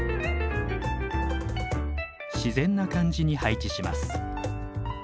自然な感じに配置します。